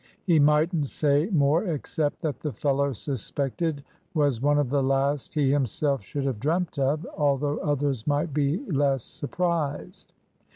He mightn't say more except that the fellow suspected was one of the last he himself should have dreamt of, although others might be less surprised.